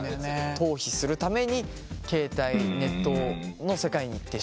逃避するために携帯ネットの世界に行ってしまうと。